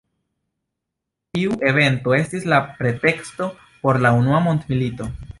Tiu evento estis la preteksto por la Unua mondmilito.